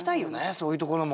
そういうところも。